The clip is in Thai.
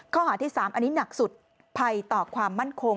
ข้อหาที่๓อันนี้หนักสุดภัยต่อความมั่นคง